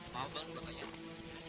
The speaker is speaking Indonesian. maaf banget buat tanya